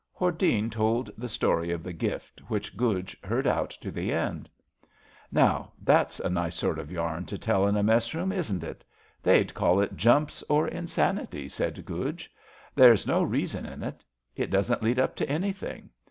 '* Hordene told the story of the gift, which Guj heard out to the end. Now, that's a nice sort of yam to tell in a messroom, isn't itt They'd call it jumps or insanity, said Guj. There's no reason in it. It doesn't lead up to anything.